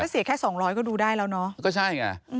ถ้าเสียแค่๒๐๐ก็ดูได้แล้วเนอะก็ใช่ไง